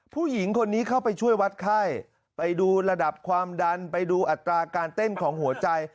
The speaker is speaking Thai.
ผู้หญิงคนนี้เข้าไปช่วยวัดไข้ไปดูระดับความดันไปดูอัตราการเต้นของหัวใจ